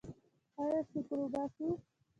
آیا شکر وباسو؟